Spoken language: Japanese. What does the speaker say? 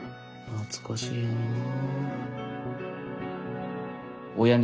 懐かしいな。